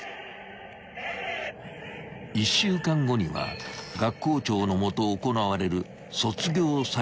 ［１週間後には学校長のもと行われる卒業査閲］